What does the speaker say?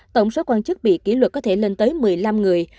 tổng số quan chức bị kỷ luật có thể lên tới một mươi năm người